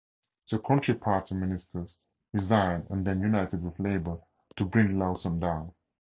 The Country Party ministers resigned, and then united with Labor to bring Lawson down.